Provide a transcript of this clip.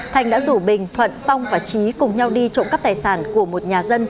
thành đã rủ bình thuận phong và trí cùng nhau đi trộm cắp tài sản